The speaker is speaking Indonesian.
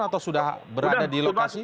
atau sudah berada di lokasi